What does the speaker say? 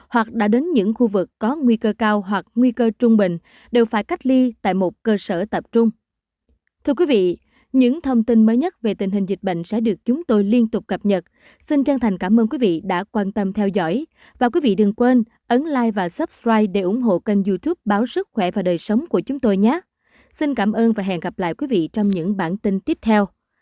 hãy đăng ký kênh để ủng hộ kênh của chúng mình nhé